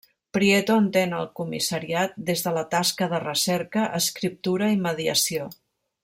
Prieto entén el comissariat des de la tasca de recerca, escriptura i mediació.